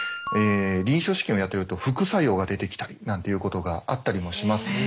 臨床試験をやってると副作用が出てきたりなんていうことがあったりもしますので。